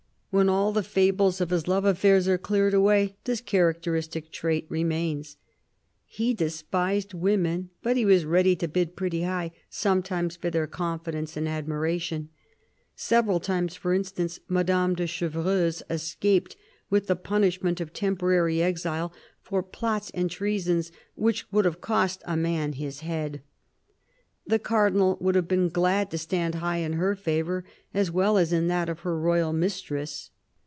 When all the fables of his love affairs are cleared away, this characteristic trait remains. He despised women, but he was ready to bid pretty high, sometimes, for their confidence and admiration. Several times, for instance, Madame de Chevreuse escaped with the punishment of temporary exile for plots and treasons which would have cost a man his head. The Cardinal would have been glad to stand high in her favour, as well as in that of her royal mistress.